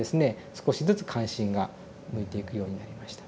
少しずつ関心が向いていくようになりました。